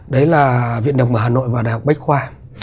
đấy là viện đồng ở hà nội và đại học bách khoa